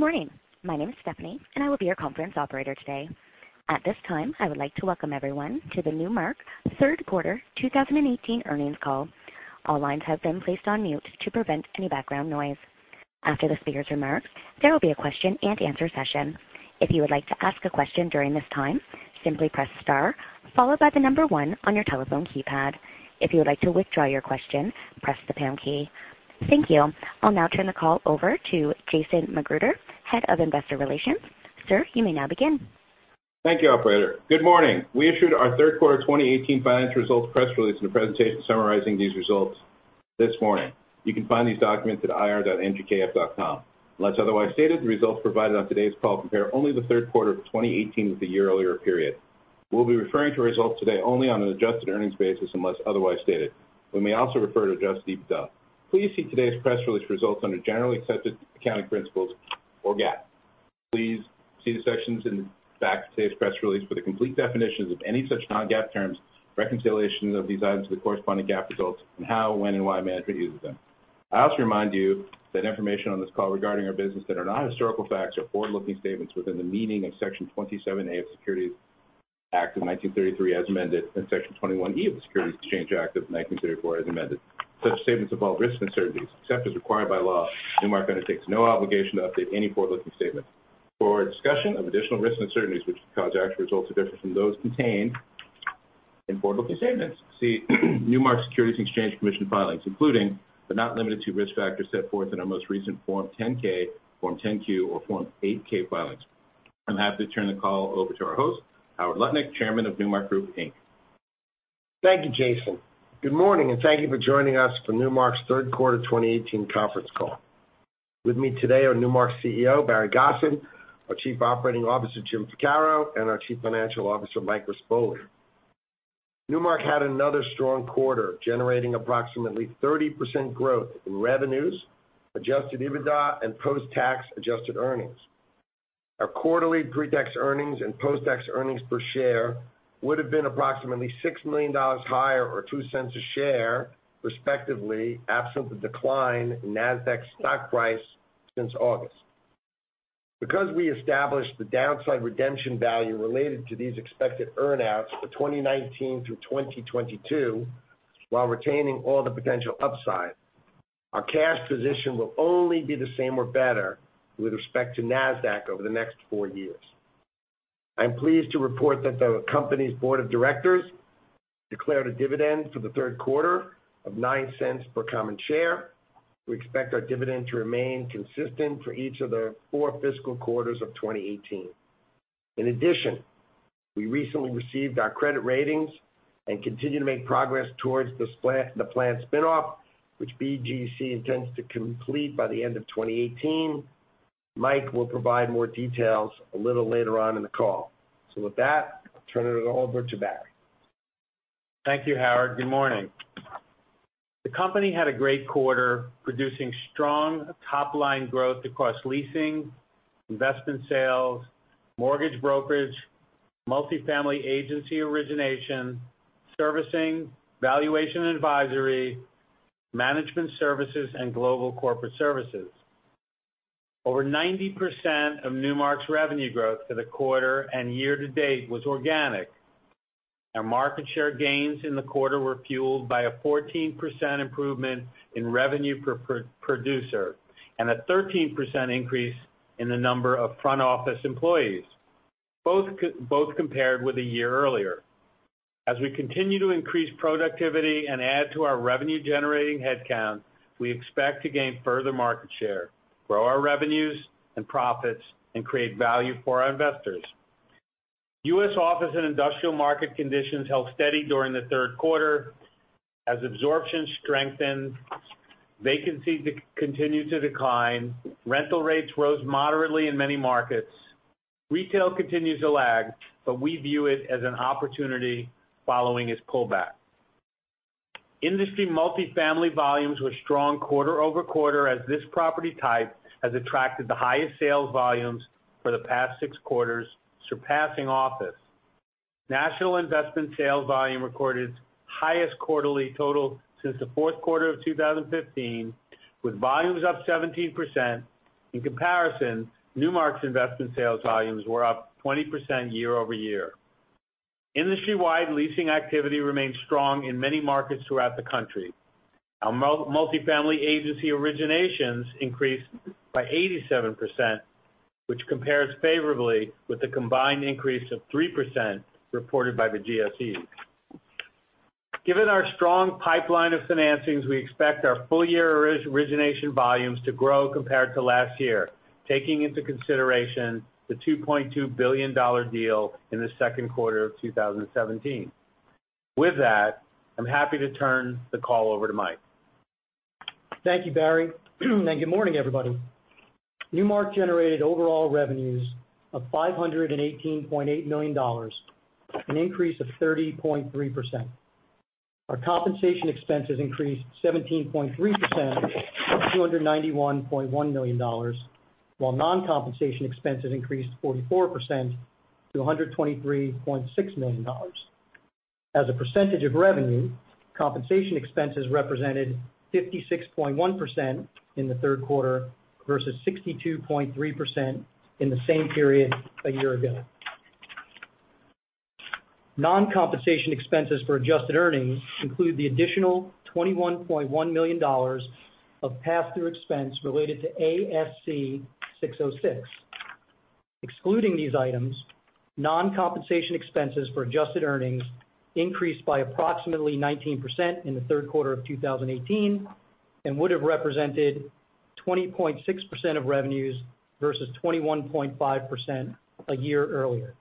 Good morning. My name is Stephanie, and I will be your conference operator today. At this time, I would like to welcome everyone to the Newmark third quarter 2018 earnings call. All lines have been placed on mute to prevent any background noise. After the speakers remark, there will be a question and answer session. If you would like to ask a question during this time, simply press star followed by the number 1 on your telephone keypad. If you would like to withdraw your question, press the pound key. Thank you. I will now turn the call over to Jason McGruder, Head of Investor Relations. Sir, you may now begin. Thank you, operator. Good morning. We issued our third quarter 2018 financial results press release and a presentation summarizing these results this morning. You can find these documents at ir.nmrk.com. Unless otherwise stated, the results provided on today's call compare only the third quarter of 2018 with the year earlier period. We will be referring to results today only on an adjusted earnings basis unless otherwise stated. We may also refer to adjusted EBITDA. Please see today's press release results under generally accepted accounting principles or GAAP. Please see the sections in the back of today's press release for the complete definitions of any such non-GAAP terms, reconciliation of these items to the corresponding GAAP results, and how, when, and why management uses them. I also remind you that information on this call regarding our business that are not historical facts are forward-looking statements within the meaning of Section 27A of the Securities Act of 1933 as amended, and Section 21E of the Securities Exchange Act of 1934 as amended. Such statements involve risks and uncertainties. Except as required by law, Newmark undertakes no obligation to update any forward-looking statements. For a discussion of additional risks and uncertainties which could cause actual results to differ from those contained in forward-looking statements, see Newmark Securities and Exchange Commission filings, including, but not limited to, risk factors set forth in our most recent Form 10-K, Form 10-Q, or Form 8-K filings. I am happy to turn the call over to our host, Howard Lutnick, Chairman of Newmark Group Inc. Thank you, Jason. Good morning, and thank you for joining us for Newmark's third quarter 2018 conference call. With me today are Newmark's CEO, Barry Gosin, our Chief Operating Officer, James Ficarro, and our Chief Financial Officer, Michael Rispoli. Newmark had another strong quarter, generating approximately 30% growth in revenues, adjusted EBITDA, and post-tax adjusted earnings. Our quarterly pre-tax earnings and post-tax earnings per share would have been approximately $6 million higher or $0.02 a share, respectively, absent the decline in Nasdaq stock price since August. Because we established the downside redemption value related to these expected earn-outs for 2019 through 2022 while retaining all the potential upside, our cash position will only be the same or better with respect to Nasdaq over the next four years. I am pleased to report that the company's board of directors declared a dividend for the third quarter of $0.09 per common share. We expect our dividend to remain consistent for each of the four fiscal quarters of 2018. In addition, we recently received our credit ratings and continue to make progress towards the planned spin-off, which BGC intends to complete by the end of 2018. Mike will provide more details a little later on in the call. With that, I'll turn it all over to Barry. Thank you, Howard. Good morning. The company had a great quarter, producing strong top-line growth across leasing, investment sales, mortgage brokerage, multifamily agency origination, servicing, valuation and advisory, management services, and global corporate services. Over 90% of Newmark's revenue growth for the quarter and year-to-date was organic. Our market share gains in the quarter were fueled by a 14% improvement in revenue per producer, and a 13% increase in the number of front office employees, both compared with a year earlier. As we continue to increase productivity and add to our revenue-generating headcount, we expect to gain further market share, grow our revenues and profits, and create value for our investors. U.S. office and industrial market conditions held steady during the third quarter. As absorption strengthened, vacancies continued to decline. Rental rates rose moderately in many markets. Retail continues to lag, we view it as an opportunity following its pullback. Industry multifamily volumes were strong quarter-over-quarter as this property type has attracted the highest sales volumes for the past six quarters, surpassing office. National investment sales volume recorded its highest quarterly total since the fourth quarter of 2015, with volumes up 17%. In comparison, Newmark's investment sales volumes were up 20% year-over-year. Industry-wide leasing activity remains strong in many markets throughout the country. Our multifamily agency originations increased by 87%, which compares favorably with the combined increase of 3% reported by the GSEs. Given our strong pipeline of financings, we expect our full-year origination volumes to grow compared to last year, taking into consideration the $2.2 billion deal in the second quarter of 2017. With that, I'm happy to turn the call over to Mike. Thank you, Barry. Good morning, everybody. Newmark generated overall revenues of $518.8 million, an increase of 30.3%. Our compensation expenses increased 17.3% to $291.1 million, while non-compensation expenses increased 44% to $123.6 million. As a percentage of revenue, compensation expenses represented 56.1% in the third quarter versus 62.3% in the same period a year ago. Non-compensation expenses for adjusted earnings include the additional $21.1 million of pass-through expense related to ASC 606. Excluding these items, non-compensation expenses for adjusted earnings increased by approximately 19% in the third quarter of 2018 and would have represented 20.6% of revenues versus 21.5% a year earlier.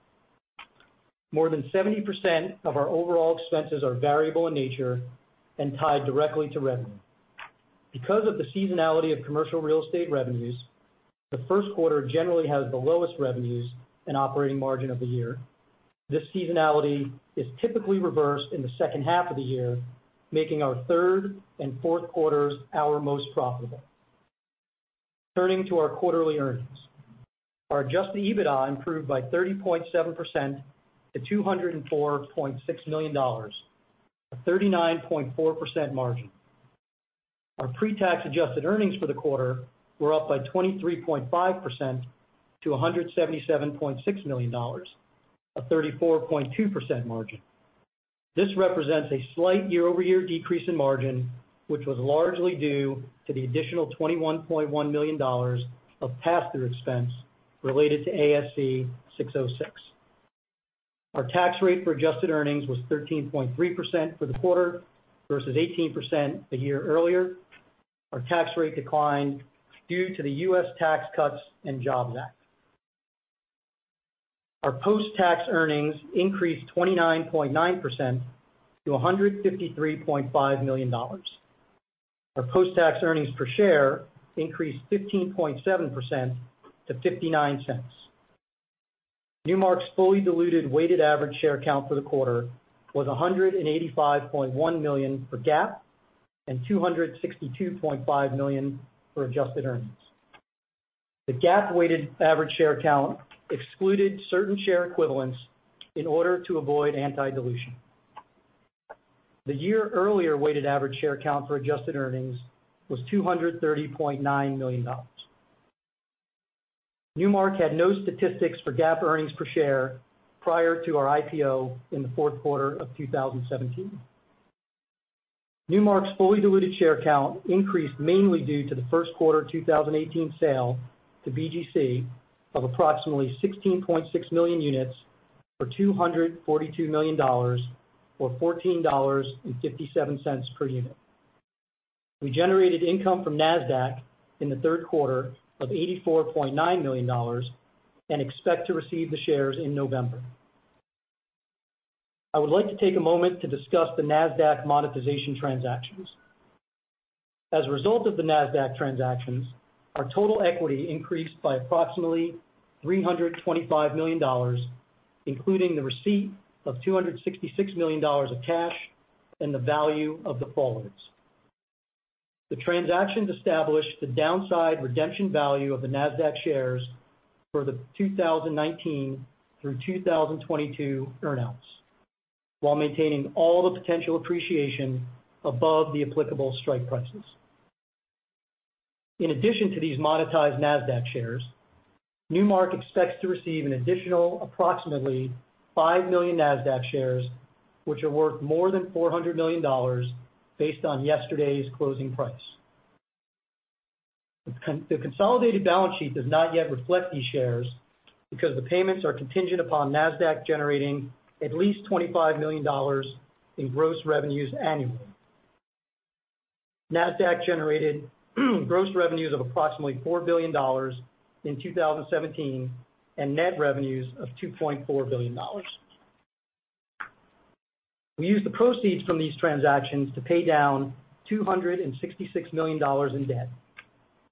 More than 70% of our overall expenses are variable in nature and tied directly to revenue. Because of the seasonality of commercial real estate revenues, the first quarter generally has the lowest revenues and operating margin of the year. This seasonality is typically reversed in the second half of the year, making our third and fourth quarters our most profitable. Turning to our quarterly earnings. Our adjusted EBITDA improved by 30.7% to $204.6 million, a 39.4% margin. Our pre-tax adjusted earnings for the quarter were up by 23.5% to $177.6 million, a 34.2% margin. This represents a slight year-over-year decrease in margin, which was largely due to the additional $21.1 million of pass-through expense related to ASC 606. Our tax rate for adjusted earnings was 13.3% for the quarter versus 18% a year earlier. Our tax rate declined due to the U.S. Tax Cuts and Jobs Act. Our post-tax earnings increased 29.9% to $153.5 million. Our post-tax earnings per share increased 15.7% to $0.59. Newmark's fully diluted weighted average share count for the quarter was 185.1 million for GAAP and 262.5 million for adjusted earnings. The GAAP weighted average share count excluded certain share equivalents in order to avoid anti-dilution. The year earlier weighted average share count for adjusted earnings was $230.9 million. Newmark had no statistics for GAAP earnings per share prior to our IPO in the fourth quarter of 2017. Newmark's fully diluted share count increased mainly due to the first quarter 2018 sale to BGC of approximately 16.6 million units for $242 million, or $14.57 per unit. We generated income from Nasdaq in the third quarter of $84.9 million and expect to receive the shares in November. I would like to take a moment to discuss the Nasdaq monetization transactions. As a result of the Nasdaq transactions, our total equity increased by approximately $325 million, including the receipt of $266 million of cash and the value of the forwards. The transactions established the downside redemption value of the Nasdaq shares for the 2019 through 2022 earn-outs while maintaining all the potential appreciation above the applicable strike prices. In addition to these monetized Nasdaq shares, Newmark expects to receive an additional approximately five million Nasdaq shares, which are worth more than $400 million based on yesterday's closing price. The consolidated balance sheet does not yet reflect these shares because the payments are contingent upon Nasdaq generating at least $25 million in gross revenues annually. Nasdaq generated gross revenues of approximately $4 billion in 2017 and net revenues of $2.4 billion. We used the proceeds from these transactions to pay down $266 million in debt.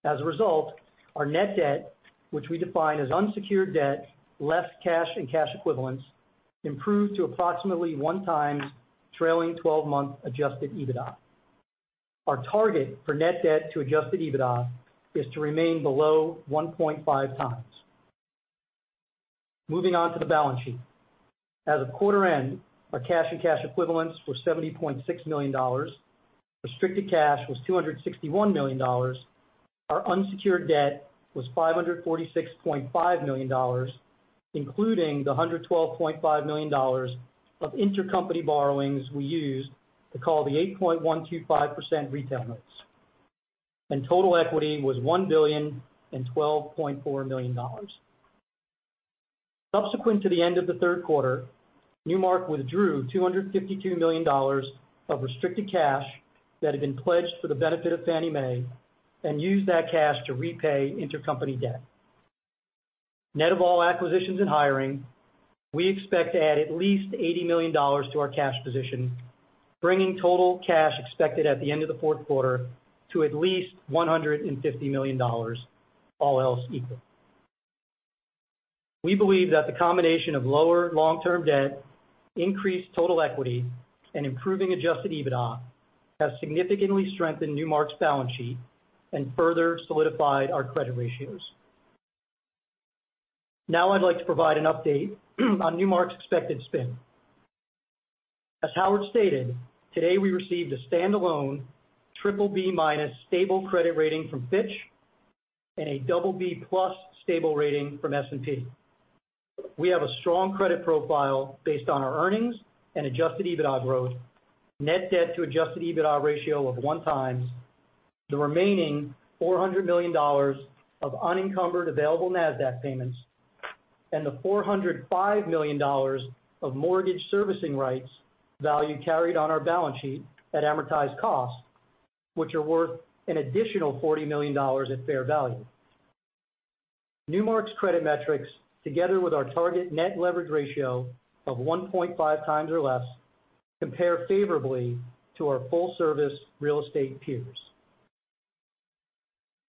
As a result, our net debt, which we define as unsecured debt less cash and cash equivalents, improved to approximately 1x trailing 12-month adjusted EBITDA. Our target for net debt to adjusted EBITDA is to remain below 1.5x. Moving on to the balance sheet. As of quarter end, our cash and cash equivalents were $70.6 million. Restricted cash was $261 million. Our unsecured debt was $546.5 million, including the $112.5 million of intercompany borrowings we used to call the 8.125% retail notes. Total equity was $1.0124 billion. Subsequent to the end of the third quarter, Newmark withdrew $252 million of restricted cash that had been pledged for the benefit of Fannie Mae and used that cash to repay intercompany debt. Net of all acquisitions and hiring, we expect to add at least $80 million to our cash position, bringing total cash expected at the end of the fourth quarter to at least $150 million, all else equal. We believe that the combination of lower long-term debt, increased total equity, and improving adjusted EBITDA has significantly strengthened Newmark's balance sheet and further solidified our credit ratios. Now I'd like to provide an update on Newmark's expected spin. As Howard stated, today we received a standalone BBB- stable credit rating from Fitch and a BB+ stable rating from S&P. We have a strong credit profile based on our earnings and adjusted EBITDA growth, net debt to adjusted EBITDA ratio of one times, the remaining $400 million of unencumbered available Nasdaq payments, and the $405 million of mortgage servicing rights value carried on our balance sheet at amortized cost, which are worth an additional $40 million at fair value. Newmark's credit metrics, together with our target net leverage ratio of 1.5 times or less, compare favorably to our full-service real estate peers.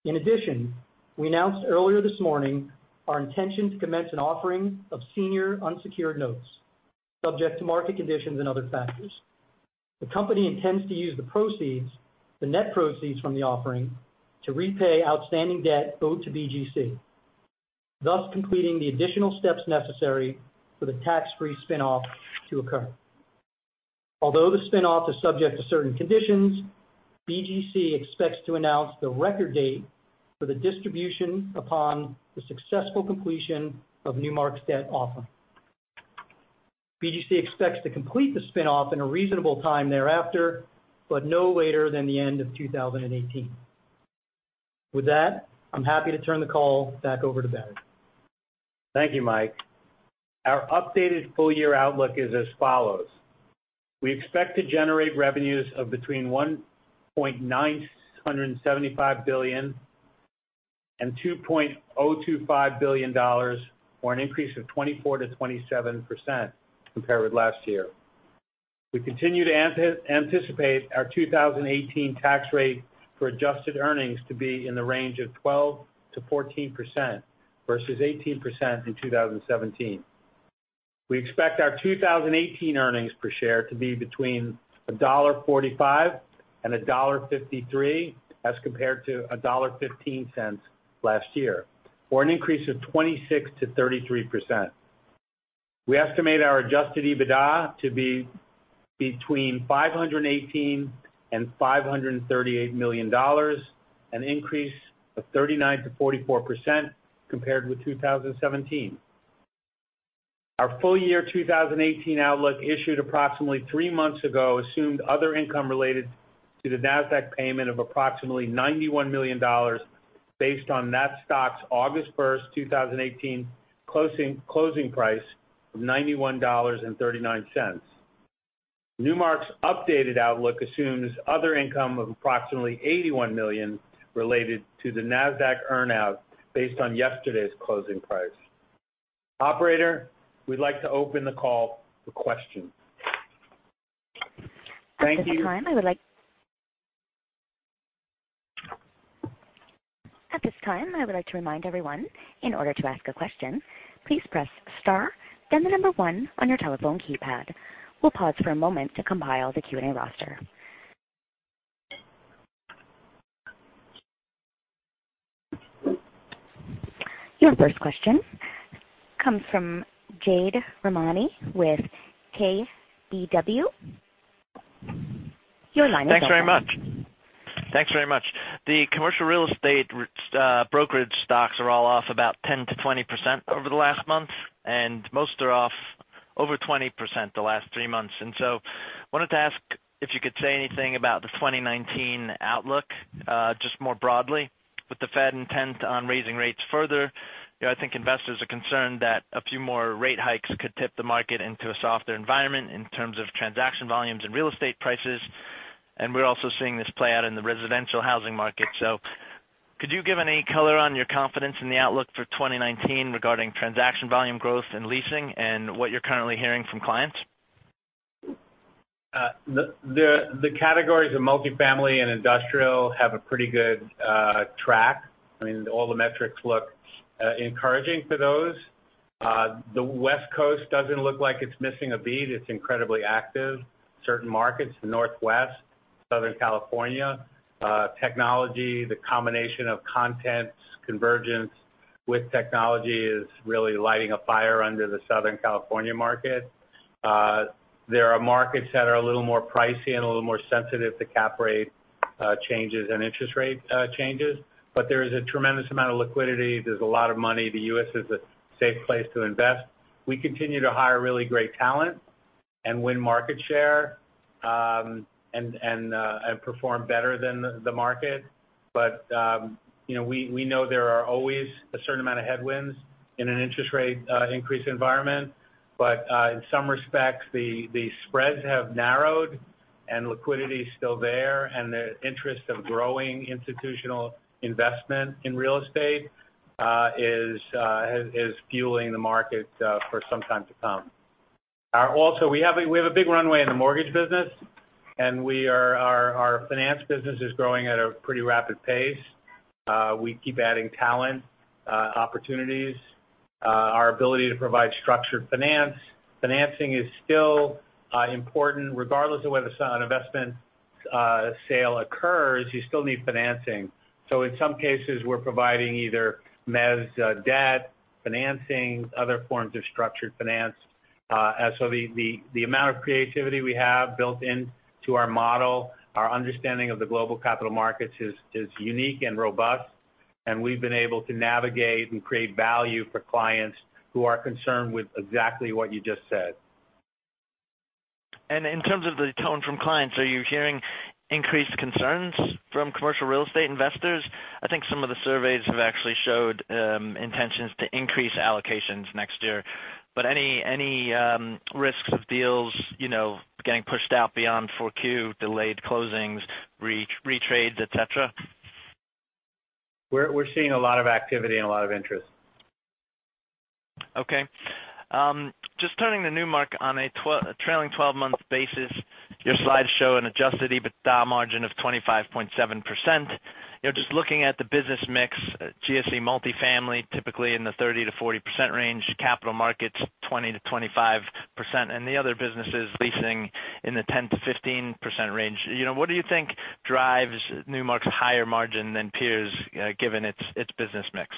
In addition, we announced earlier this morning our intention to commence an offering of senior unsecured notes subject to market conditions and other factors. The company intends to use the net proceeds from the offering to repay outstanding debt owed to BGC, thus completing the additional steps necessary for the tax-free spin-off to occur. Although the spin-off is subject to certain conditions, BGC expects to announce the record date for the distribution upon the successful completion of Newmark's debt offering. BGC expects to complete the spin-off in a reasonable time thereafter, but no later than the end of 2018. With that, I'm happy to turn the call back over to Barry. Thank you, Mike. Our updated full year outlook is as follows. We expect to generate revenues of between $1.975 billion and $2.025 billion, or an increase of 24%-27% compared with last year. We continue to anticipate our 2018 tax rate for adjusted earnings to be in the range of 12%-14%, versus 18% in 2017. We expect our 2018 earnings per share to be between $1.45 and $1.53 as compared to $1.15 last year, or an increase of 26%-33%. We estimate our adjusted EBITDA to be between $518 and $538 million, an increase of 39%-44% compared with 2017. Our full year 2018 outlook issued approximately three months ago assumed other income related to the Nasdaq payment of approximately $91 million based on that stock's August 1st, 2018 closing price of $91.39. Newmark's updated outlook assumes other income of approximately $81 million related to the Nasdaq earn-out based on yesterday's closing price. Operator, we'd like to open the call for questions. Thank you. At this time, I would like to remind everyone, in order to ask a question, please press star, then the number 1 on your telephone keypad. We'll pause for a moment to compile the Q&A roster. Your first question comes from Jade Rahmani with KBW. Your line is open. Thanks very much. The commercial real estate brokerage stocks are all off about 10%-20% over the last month, most are off over 20% the last three months. I wanted to ask if you could say anything about the 2019 outlook, just more broadly. With the Fed intent on raising rates further, I think investors are concerned that a few more rate hikes could tip the market into a softer environment in terms of transaction volumes and real estate prices. We're also seeing this play out in the residential housing market. Could you give any color on your confidence in the outlook for 2019 regarding transaction volume growth and leasing and what you're currently hearing from clients? The categories of multifamily and industrial have a pretty good track. I mean, all the metrics look encouraging for those. The West Coast doesn't look like it's missing a beat. It's incredibly active. Certain markets, the Northwest, Southern California. Technology, the combination of content convergence with technology is really lighting a fire under the Southern California market. There are markets that are a little more pricey and a little more sensitive to cap rate changes and interest rate changes, there is a tremendous amount of liquidity. There's a lot of money. The U.S. is a safe place to invest. We continue to hire really great talent and win market share, perform better than the market. We know there are always a certain amount of headwinds in an interest rate increase environment. In some respects, the spreads have narrowed and liquidity is still there. The interest of growing institutional investment in real estate is fueling the market for some time to come. Also, we have a big runway in the mortgage business, and our finance business is growing at a pretty rapid pace. We keep adding talent, opportunities. Our ability to provide structured finance. Financing is still important regardless of whether it's on investment sale occurs, you still need financing. In some cases, we're providing either mezzanine debt financing, other forms of structured finance. The amount of creativity we have built into our model, our understanding of the global Capital Markets is unique and robust, and we've been able to navigate and create value for clients who are concerned with exactly what you just said. In terms of the tone from clients, are you hearing increased concerns from commercial real estate investors? I think some of the surveys have actually showed intentions to increase allocations next year. Any risks of deals getting pushed out beyond 4Q, delayed closings, retrades, et cetera? We're seeing a lot of activity and a lot of interest. Okay. Just turning to Newmark on a trailing 12-month basis. Your slides show an adjusted EBITDA margin of 25.7%. Just looking at the business mix, GSE multifamily, typically in the 30%-40% range, Capital Markets 20%-25%, and the other businesses leasing in the 10%-15% range. What do you think drives Newmark's higher margin than peers, given its business mix?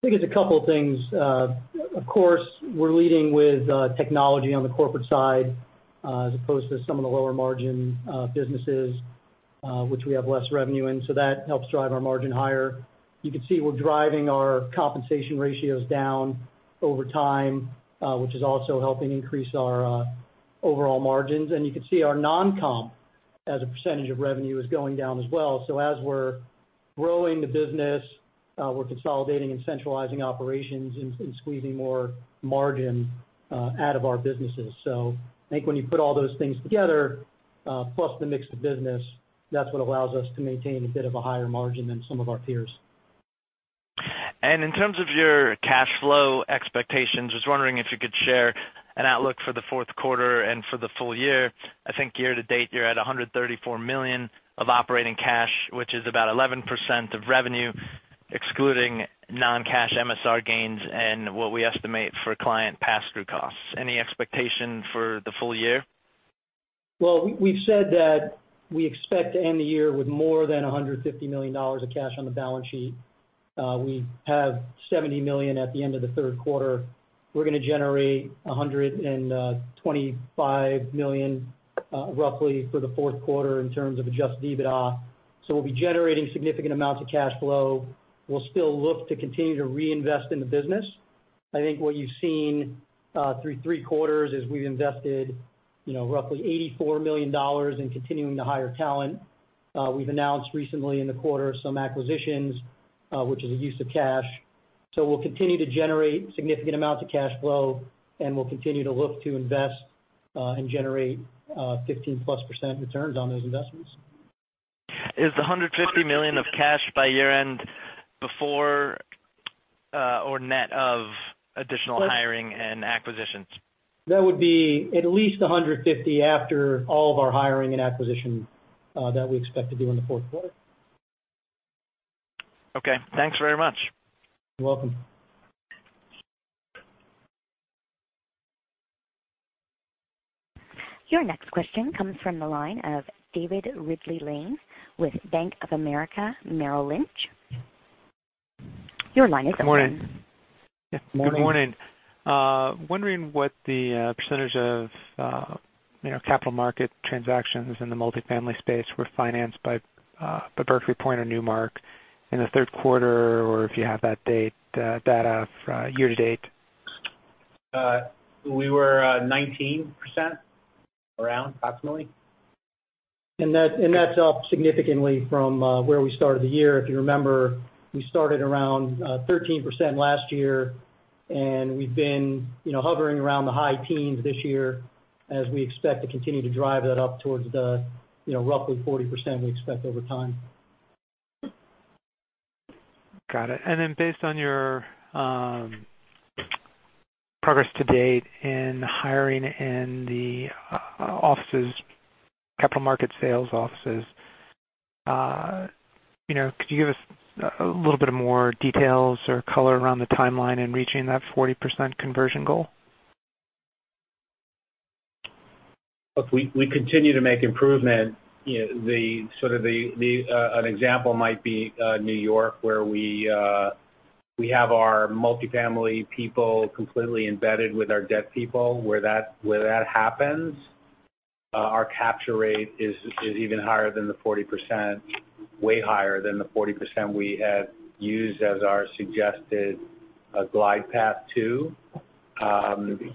I think it's a couple things. Of course, we're leading with technology on the corporate side as opposed to some of the lower margin businesses, which we have less revenue in. That helps drive our margin higher. You can see we're driving our compensation ratios down over time, which is also helping increase our overall margins. You can see our non-comp as a % of revenue is going down as well. As we're growing the business, we're consolidating and centralizing operations and squeezing more margin out of our businesses. I think when you put all those things together, plus the mix of business, that's what allows us to maintain a bit of a higher margin than some of our peers. In terms of your cash flow expectations, just wondering if you could share an outlook for the fourth quarter and for the full year. I think year to date, you're at $134 million of operating cash, which is about 11% of revenue, excluding non-cash MSR gains and what we estimate for client pass-through costs. Any expectation for the full year? We've said that we expect to end the year with more than $150 million of cash on the balance sheet. We have $70 million at the end of the third quarter. We're going to generate $125 million roughly for the fourth quarter in terms of adjusted EBITDA. We'll be generating significant amounts of cash flow. We'll still look to continue to reinvest in the business. I think what you've seen through three quarters is we've invested roughly $84 million in continuing to hire talent. We've announced recently in the quarter some acquisitions, which is a use of cash. We'll continue to generate significant amounts of cash flow, and we'll continue to look to invest, and generate 15-plus % returns on those investments. Is the $150 million of cash by year-end before or net of additional hiring and acquisitions? That would be at least $150 after all of our hiring and acquisition that we expect to do in the fourth quarter. Okay. Thanks very much. You're welcome. Your next question comes from the line of David Ridley-Lane with Bank of America Merrill Lynch. Your line is open. Good morning. Morning. Good morning. Wondering what the percentage of Capital Markets transactions in the multifamily space were financed by Berkeley Point or Newmark in the third quarter, or if you have that data for year to date. We were 19%, around approximately. That's up significantly from where we started the year. If you remember, we started around 13% last year, and we've been hovering around the high teens this year as we expect to continue to drive that up towards the roughly 40% we expect over time. Got it. Based on your progress to date in hiring in the Capital Markets sales offices, could you give us a little bit more details or color around the timeline in reaching that 40% conversion goal? Look, we continue to make improvement. An example might be New York, where we have our multifamily people completely embedded with our debt people. Where that happens, our capture rate is even higher than the 40%, way higher than the 40% we had used as our suggested glide path too.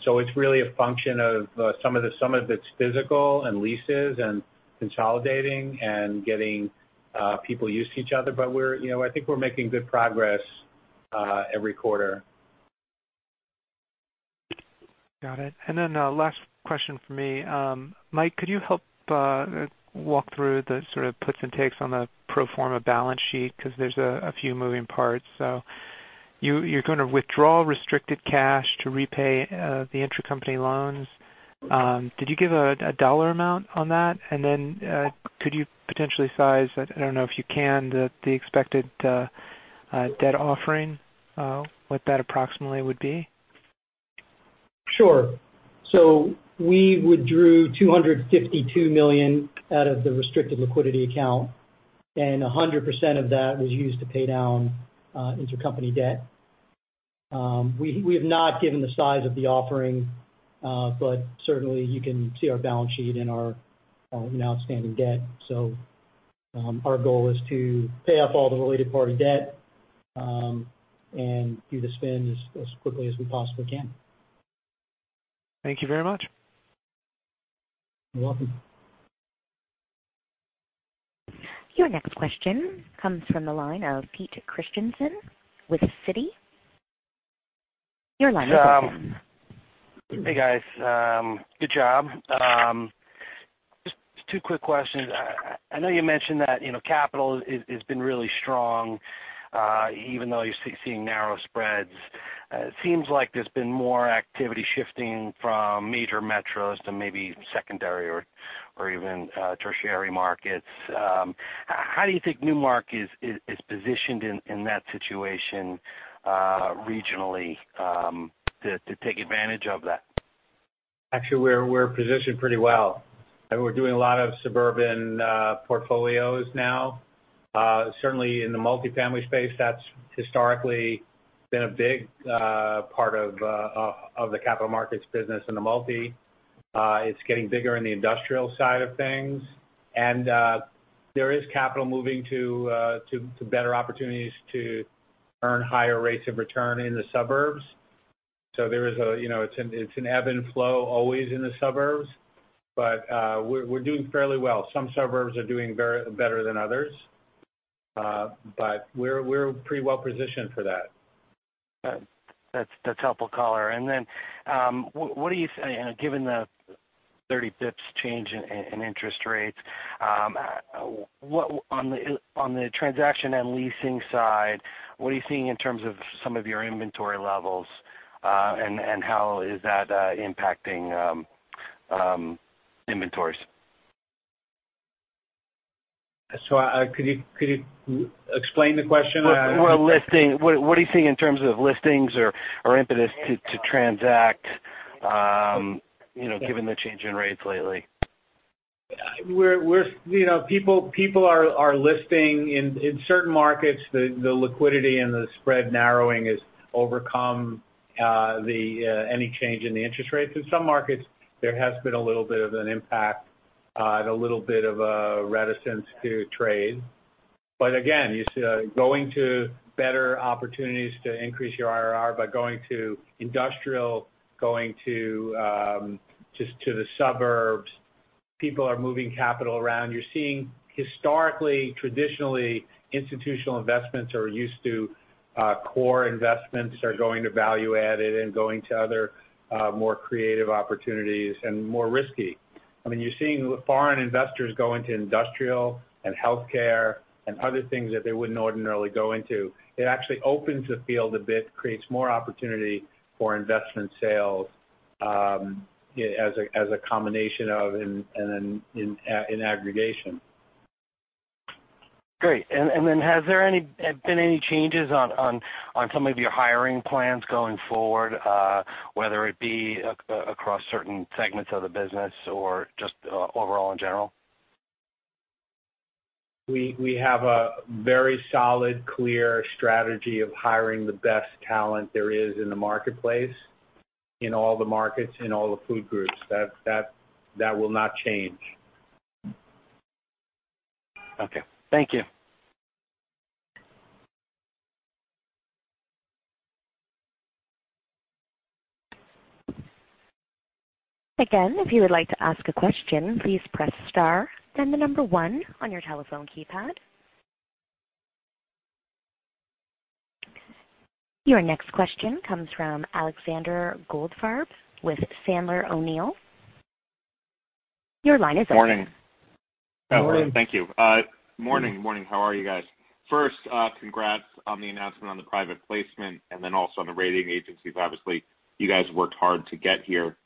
It's really a function of some of it's physical and leases and consolidating and getting people used to each other. I think we're making good progress every quarter. Got it. Last question from me. Mike, could you help walk through the sort of puts and takes on the pro forma balance sheet? Because there's a few moving parts. You're going to withdraw restricted cash to repay the intercompany loans. Did you give a dollar amount on that? Could you potentially size, I don't know if you can, the expected debt offering, what that approximately would be? Sure. We withdrew $252 million out of the restricted liquidity account, 100% of that was used to pay down intercompany debt. We have not given the size of the offering, certainly you can see our balance sheet and our outstanding debt. Our goal is to pay off all the related party debt, do the spin as quickly as we possibly can. Thank you very much. You're welcome. Your next question comes from the line of Peter Christiansen with Citi. Your line is open. Hey, guys. Good job. Just two quick questions. I know you mentioned that capital has been really strong, even though you're seeing narrow spreads. It seems like there's been more activity shifting from major metros to maybe secondary or even tertiary markets. How do you think Newmark is positioned in that situation regionally, to take advantage of that? Actually, we're positioned pretty well. We're doing a lot of suburban portfolios now. Certainly in the multifamily space, that's historically been a big part of the Capital Markets business in the multi. It's getting bigger in the industrial side of things. There is capital moving to better opportunities to earn higher rates of return in the suburbs. It's an ebb and flow always in the suburbs, but we're doing fairly well. Some suburbs are doing better than others. We're pretty well positioned for that. That's helpful, caller. Given the 30 basis points change in interest rates, on the transaction and leasing side, what are you seeing in terms of some of your inventory levels, and how is that impacting inventories? Could you explain the question? What are you seeing in terms of listings or impetus to transact, given the change in rates lately? People are listing. In certain markets, the liquidity and the spread narrowing has overcome any change in the interest rates. In some markets, there has been a little bit of an impact and a little bit of a reticence to trade. Again, going to better opportunities to increase your IRR by going to industrial, going to the suburbs. People are moving capital around. You're seeing historically, traditionally, institutional investments are used to core investments are going to value-added and going to other, more creative opportunities and more risky. You're seeing foreign investors go into industrial and healthcare and other things that they wouldn't ordinarily go into. It actually opens the field a bit, creates more opportunity for investment sales as a combination of, and in aggregation. Great. Have there been any changes on some of your hiring plans going forward, whether it be across certain segments of the business or just overall in general? We have a very solid, clear strategy of hiring the best talent there is in the marketplace, in all the markets, in all the food groups. That will not change. Okay. Thank you. Again, if you would like to ask a question, please press star, then 1 on your telephone keypad. Your next question comes from Alexander Goldfarb with Sandler O'Neill. Your line is open. Morning. Morning. Thank you. Morning. How are you guys? First, congrats on the announcement on the private placement, and then also on the rating agencies. Obviously, you guys worked hard to get here.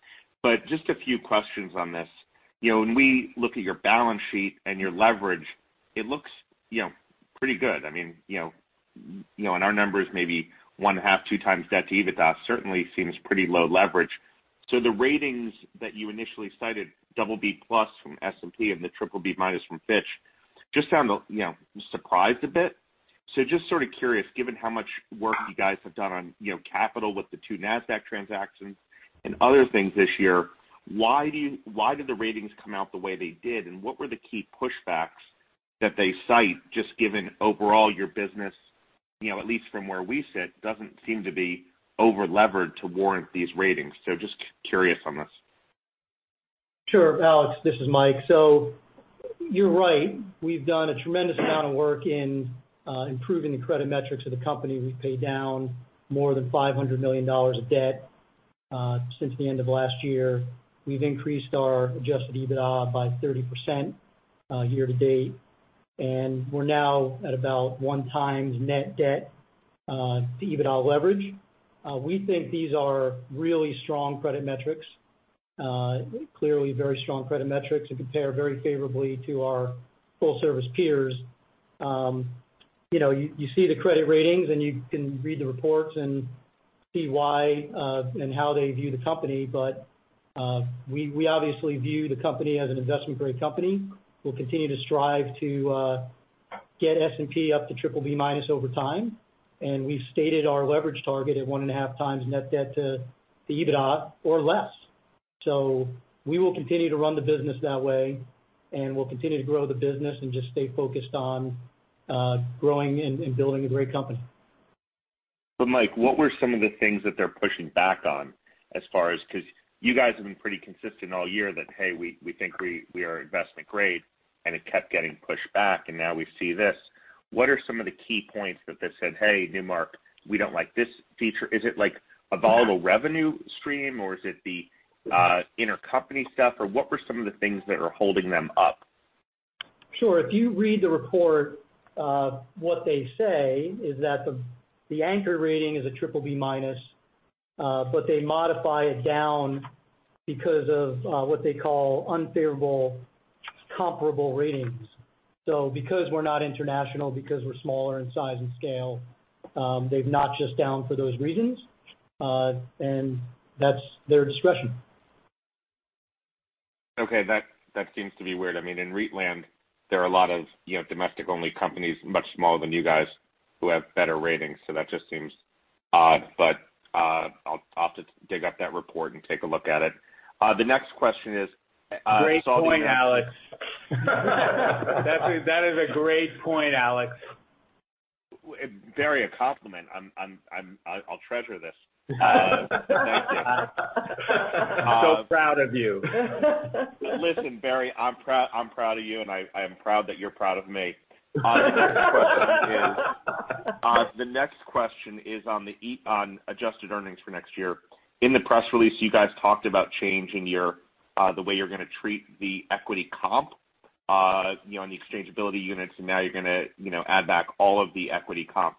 Just a few questions on this. When we look at your balance sheet and your leverage, it looks pretty good. In our numbers, maybe 0.5-2 times debt to EBITDA certainly seems pretty low leverage. The ratings that you initially cited, BB+ from S&P and the BBB- from Fitch, just sound, I'm surprised a bit. Just sort of curious, given how much work you guys have done on capital with the 2 Nasdaq transactions and other things this year, why did the ratings come out the way they did, and what were the key pushbacks that they cite, just given overall your business, at least from where we sit, doesn't seem to be over-levered to warrant these ratings. Just curious on this. Sure, Alex, this is Mike. You're right. We've done a tremendous amount of work in improving the credit metrics of the company. We've paid down more than $500 million of debt since the end of last year. We've increased our adjusted EBITDA by 30% year-to-date, and we're now at about one times net debt to EBITDA leverage. We think these are really strong credit metrics. Clearly very strong credit metrics that compare very favorably to our full-service peers. You see the credit ratings. You can read the reports and see why and how they view the company. We obviously view the company as an investment-grade company. We'll continue to strive to get S&P up to triple B minus over time. We've stated our leverage target at 1.5 times net debt to the EBITDA or less. We will continue to run the business that way, and we'll continue to grow the business and just stay focused on growing and building a great company. Mike, what were some of the things that they're pushing back on? Because you guys have been pretty consistent all year that, hey, we think we are investment grade, and it kept getting pushed back, and now we see this. What are some of the key points that they said, "Hey, Newmark, we don't like this feature." Is it like a volatile revenue stream, or is it the intercompany stuff? What were some of the things that are holding them up? Sure. If you read the report, what they say is that the anchor rating is a BBB-, but they modify it down because of what they call unfavorable comparable ratings. Because we're not international, because we're smaller in size and scale, they've notched us down for those reasons. That's their discretion. Okay. That seems to be weird. In REIT land, there are a lot of domestic-only companies, much smaller than you guys, who have better ratings. That just seems odd. I'll have to dig up that report and take a look at it. The next question is. Great point, Alex. That is a great point, Alex. Very a compliment. I'll treasure this. Proud of you. Listen, Barry, I'm proud of you, and I am proud that you're proud of me. The next question is on adjusted earnings for next year. In the press release, you guys talked about changing the way you're going to treat the equity comp on the exchangeability units, and now you're going to add back all of the equity comp.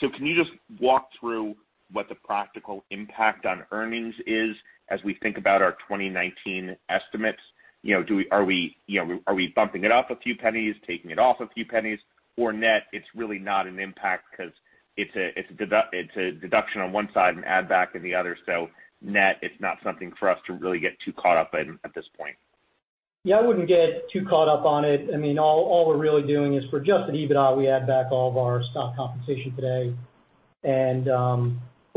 Can you just walk through what the practical impact on earnings is as we think about our 2019 estimates? Are we bumping it up a few pennies, taking it off a few pennies? Net, it's really not an impact because it's a deduction on one side, an add back in the other, so net, it's not something for us to really get too caught up in at this point. Yeah, I wouldn't get too caught up on it. All we're really doing is for adjusted EBITDA, we add back all of our stock compensation today. For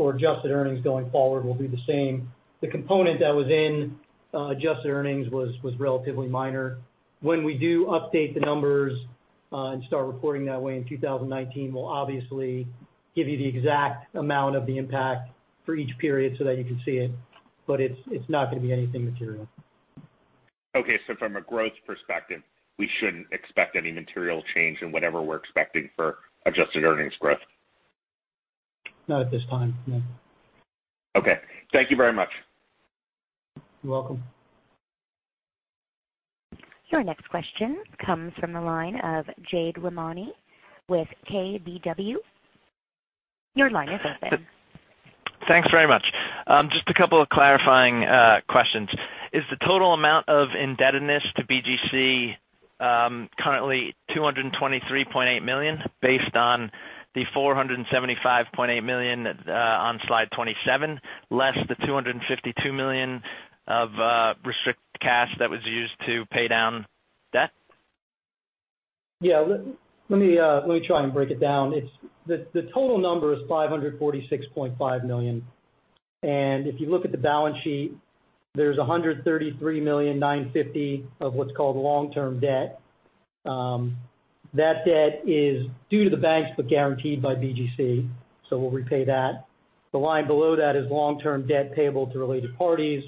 adjusted earnings going forward, we'll do the same. The component that was in adjusted earnings was relatively minor. When we do update the numbers, and start reporting that way in 2019, we'll obviously give you the exact amount of the impact for each period so that you can see it, but it's not going to be anything material. Okay. From a growth perspective, we shouldn't expect any material change in whatever we're expecting for adjusted earnings growth. Not at this time, no. Okay. Thank you very much. You're welcome. Your next question comes from the line of Jade Rahmani with KBW. Your line is open. Thanks very much. Just a couple of clarifying questions. Is the total amount of indebtedness to BGC currently $223.8 million based on the $475.8 million on slide 27, less the $252 million of restricted cash that was used to pay down debt? Yeah. Let me try and break it down. The total number is $546.5 million. If you look at the balance sheet, there's $133,950,000 of what's called long-term debt. That debt is due to the banks, but guaranteed by BGC, so we'll repay that. The line below that is long-term debt payable to related parties.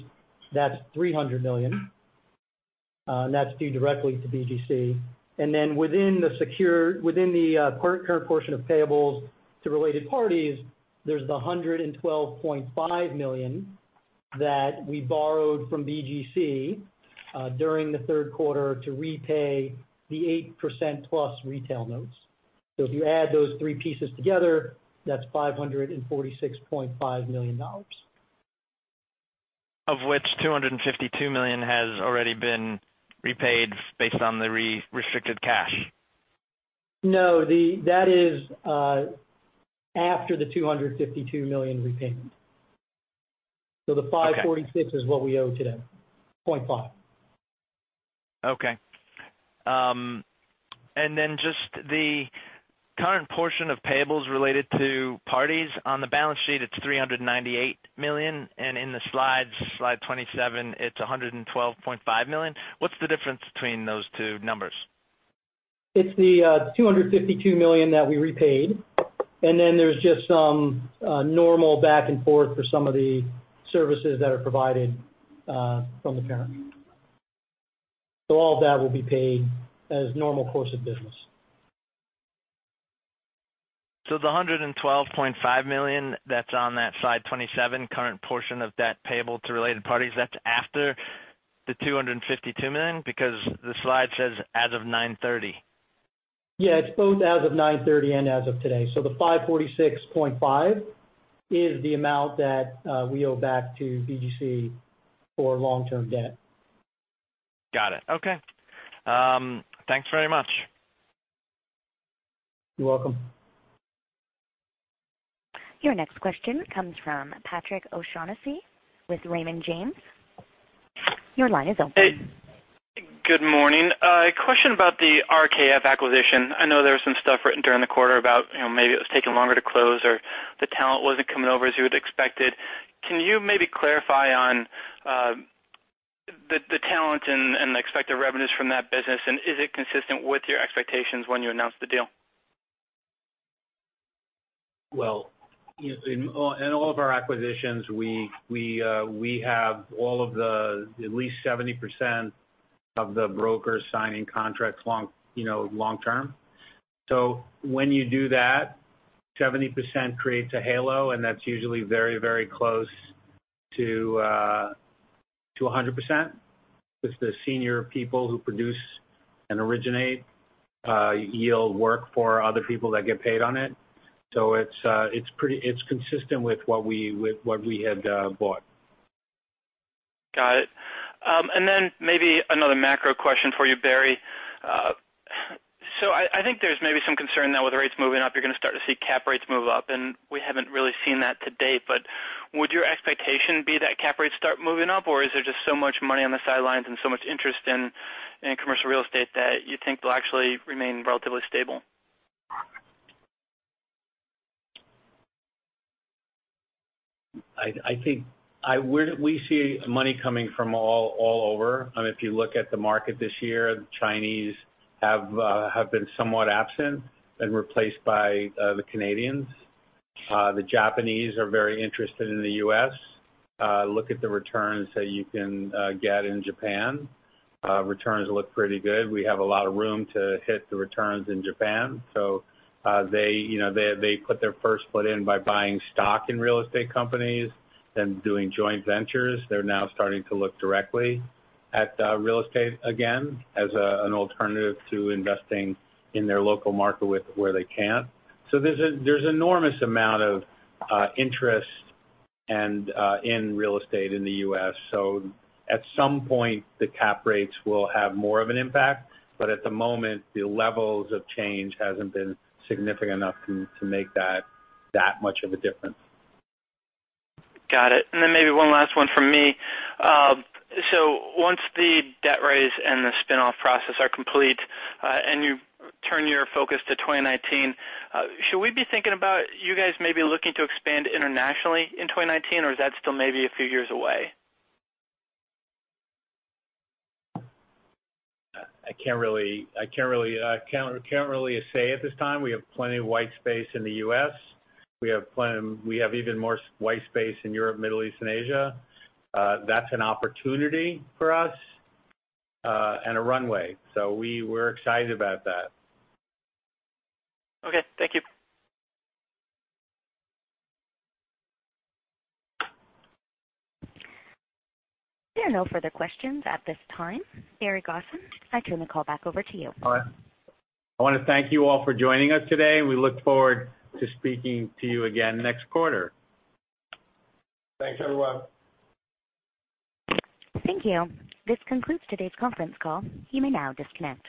That's $300 million. That's due directly to BGC. Then within the current portion of payables to related parties, there's the $112.5 million that we borrowed from BGC during the third quarter to repay the 8% plus retail notes. If you add those three pieces together, that's $546.5 million. Of which $252 million has already been repaid based on the restricted cash. No. That is after the $252 million repayment. Okay. The $546.5 is what we owe today. Okay. Just the current portion of payables related to parties on the balance sheet, it's $398 million, and in the slides, slide 27, it's $112.5 million. What's the difference between those two numbers? It's the $252 million that we repaid. There's just some normal back and forth for some of the services that are provided from the parent. All of that will be paid as normal course of business. The $112.5 million that's on that slide 27, current portion of debt payable to related parties, that's after the $252 million? Because the slide says as of 9/30. Yeah, it's both as of 9/30 and as of today. The $546.5 is the amount that we owe back to BGC for long-term debt. Got it. Okay. Thanks very much. You're welcome. Your next question comes from Patrick O'Shaughnessy with Raymond James. Your line is open. Good morning. A question about the RKF acquisition. I know there was some stuff written during the quarter about maybe it was taking longer to close or the talent wasn't coming over as you had expected. Can you maybe clarify on the talent and the expected revenues from that business? And is it consistent with your expectations when you announced the deal? Well, in all of our acquisitions, we have at least 70% of the brokers signing contracts long-term. When you do that, 70% creates a halo, and that's usually very close to 100%, because the senior people who produce and originate yield work for other people that get paid on it. It's consistent with what we had bought. Got it. Maybe another macro question for you, Barry. I think there's maybe some concern now with rates moving up, you're going to start to see cap rates move up, and we haven't really seen that to date. Would your expectation be that cap rates start moving up, or is there just so much money on the sidelines and so much interest in commercial real estate that you think they'll actually remain relatively stable? We see money coming from all over. If you look at the market this year, the Chinese have been somewhat absent and replaced by the Canadians. The Japanese are very interested in the U.S. Look at the returns that you can get in Japan. Returns look pretty good. We have a lot of room to hit the returns in Japan. They put their first foot in by buying stock in real estate companies, then doing joint ventures. They're now starting to look directly at real estate again as an alternative to investing in their local market where they can. There's enormous amount of interest in real estate in the U.S. At some point, the cap rates will have more of an impact. At the moment, the levels of change hasn't been significant enough to make that that much of a difference. Got it. Maybe one last one from me. Once the debt raise and the spin-off process are complete, and you turn your focus to 2019, should we be thinking about you guys maybe looking to expand internationally in 2019, or is that still maybe a few years away? I can't really say at this time. We have plenty of white space in the U.S. We have even more white space in Europe, Middle East, and Asia. That's an opportunity for us, and a runway. We're excited about that. Okay. Thank you. There are no further questions at this time. Barry Gosin, I turn the call back over to you. All right. I want to thank you all for joining us today. We look forward to speaking to you again next quarter. Thanks, everyone. Thank you. This concludes today's conference call. You may now disconnect.